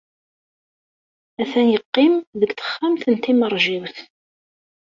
Atan yeqqim deg texxamt n timeṛjiwt.